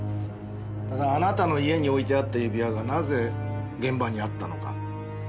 ただあなたの家に置いてあった指輪がなぜ現場にあったのか説明して頂きたい。